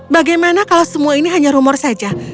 bagaimana kalau semua ini hanya rumor saja